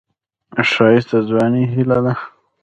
ښایست د ځوانۍ هیلې ده